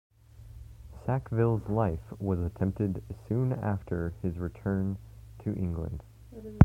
Sackville's life was attempted soon after his return to England.